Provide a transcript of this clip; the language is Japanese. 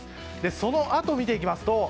そのあとを見ていきますと